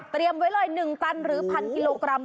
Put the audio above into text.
ไว้เลย๑ตันหรือ๑๐๐กิโลกรัม